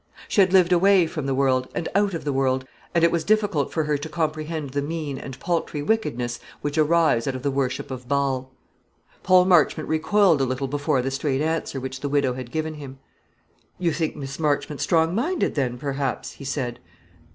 She had lived away from the world, and out of the world; and it was difficult for her to comprehend the mean and paltry wickedness which arise out of the worship of Baal. Paul Marchmont recoiled a little before the straight answer which the widow had given him. "You think Miss Marchmont strong minded, then, perhaps?" he said.